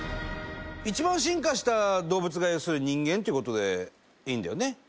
一番進化した動物が要するに人間っていう事でいいんだよね？